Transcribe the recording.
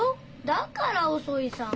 だから遅いさぁ。